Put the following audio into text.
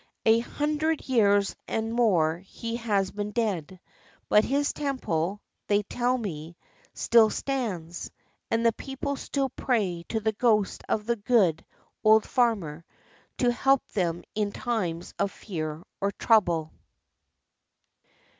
A hun dred years and more he has been dead ; but his temple, they tell me, still stands, and the people still pray to the ghost of the good old farmer to help them in time of fear or trouble.